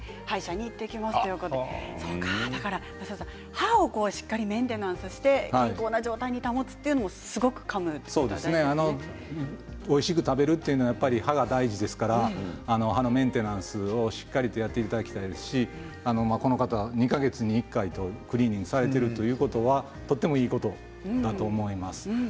歯をしっかりメンテナンスして健康な状態に保つということもおいしく食べるというのは歯が大事ですからメンテナンスをしっかりやっていただきたいですしこの方は２か月に１回クリーニングされているということはとてもいいことだと思います。